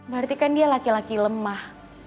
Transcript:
berarti kan dia laki laki lemah